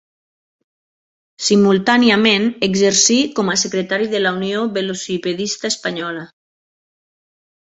Simultàniament exercí com a secretari de la Unió Velocipedista Espanyola.